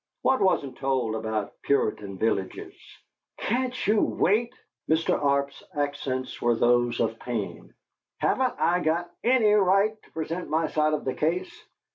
"What wasn't told about Puritan villages?" "Can't you wait?" Mr. Arp's accents were those of pain. "Haven't I got ANY right to present my side of the case?